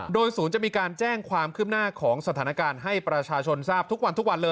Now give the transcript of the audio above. โดยศูนย์จะมีการแจ้งความขึ้มหน้าของสถานการณ์ให้ประชาชนทุกวัน